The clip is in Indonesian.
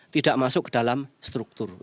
tidak masuk ke dalam struktur